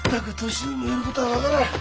年寄りのやることは分からん。